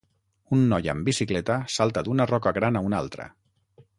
un noi amb bicicleta salta d'una roca gran a una altra